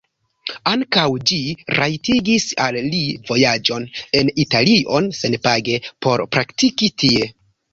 Ankaŭ ĝi rajtigis al li vojaĝon en Italion senpage por praktiki tie.